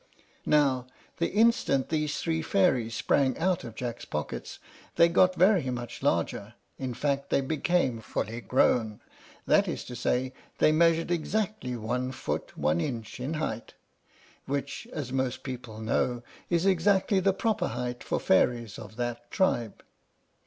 Now, the instant these three fairies sprang out of Jack's pockets, they got very much larger; in fact, they became fully grown, that is to say, they measured exactly one foot one inch in height, which, as most people know, is exactly the proper height for fairies of that tribe.